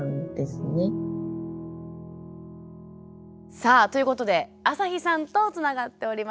さあということであさひさんとつながっております。